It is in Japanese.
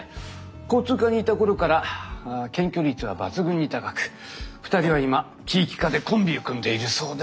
交通課にいた頃から検挙率は抜群に高く２人は今地域課でコンビを組んでいるそうだ。